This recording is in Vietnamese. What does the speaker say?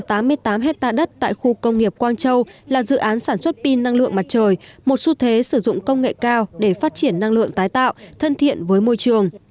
có tám mươi tám hectare đất tại khu công nghiệp quang châu là dự án sản xuất pin năng lượng mặt trời một xu thế sử dụng công nghệ cao để phát triển năng lượng tái tạo thân thiện với môi trường